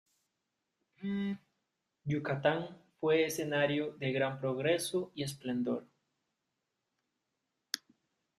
Yucatán fue escenario de gran progreso y esplendor.